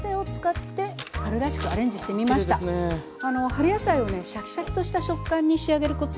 春野菜をねシャキシャキとした食感に仕上げるコツをね